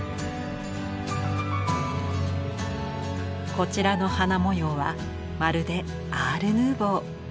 こちらの花模様はまるでアール・ヌーヴォー。